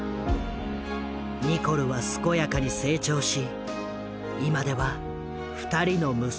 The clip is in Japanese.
ニコルは健やかに成長し今では２人の息子を持つ母親になった。